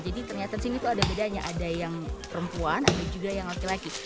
jadi ternyata sini tuh ada bedanya ada yang perempuan ada juga yang laki laki